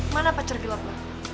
mana pacar gelap lu